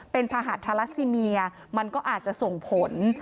เป็นพหัสทาลาซิเมียมันก็อาจจะส่งผล